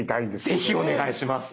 ぜひお願いします。